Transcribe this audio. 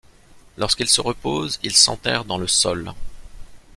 Lorsqu'il se repose il s'enterre dans le sol.